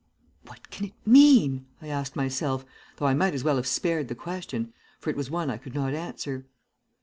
"'What can it mean?' I asked myself, though I might as well have spared the question, for it was one I could not answer.